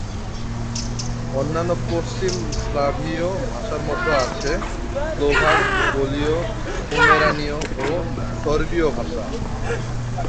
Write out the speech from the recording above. অন্যান্য পশ্চিম স্লাভীয় ভাষার মধ্যে আছে স্লোভাক, পোলীয়, পোমেরানীয় ও সর্বীয় ভাষা।